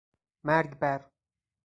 مرگ بر...!